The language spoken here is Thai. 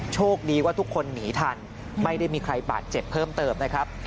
โชคดีว่าทุกคนหนีทันไม่ได้มีใครบาดเจ็บเพิ่มเติมนะครับ